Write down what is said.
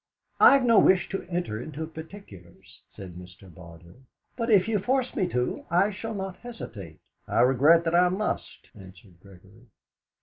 "I've no wish to enter into particulars," said Mr. Barter, "but if you force me to, I shall not hesitate." "I regret that I must," answered Gregory.